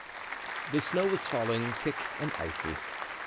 The snow was falling thick and icy.